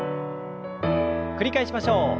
繰り返しましょう。